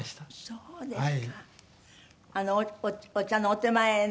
そうですか。